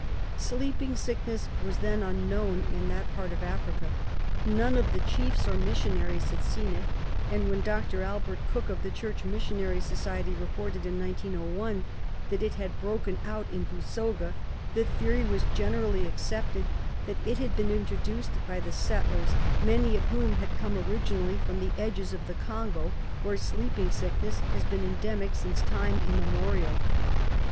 Sleeping sickness was then unknown in that part of Africa; none of the chiefs or missionaries had seen it, and when Dr. Albert Cook, of the Church Missionary Society, reported in 1901 that it had broken out in Busoga, the theory was generally accepted that it had been introduced by the settlers, many of whom had come originally from the edges of the Congo, where sleeping sickness has been endemic since time immemorial.